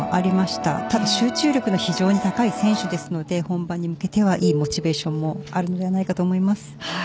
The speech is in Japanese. ただ集中力非常に高い選手ですので本番に向けてはいいモチベーションもあるのではないかと思います。